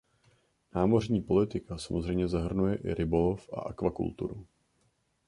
Námořní politika samozřejmě zahrnuje i rybolov a akvakulturu.